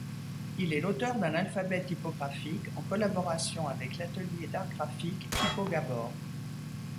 Il est l'auteur d'un alphabet typographique en collaboration avec l'atelier d'art graphique TypoGabor.